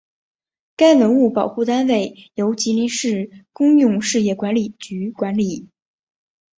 该文物保护单位由吉林市公用事业管理局管理。